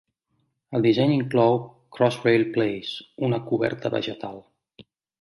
El disseny inclou Crossrail Place, una coberta vegetal.